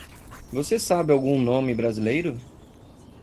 Você sabe algum nome brasileiro?